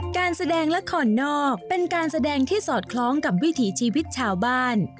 การแสดงละครนอกเป็นการแสดงที่สอดคล้องกับวิถีชีวิตชาวบ้าน